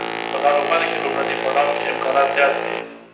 په ناروغانو کې لومړني پړاو کې امکانات زیات دي.